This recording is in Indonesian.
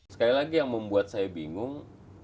sekali lagi yang membuat saya bingung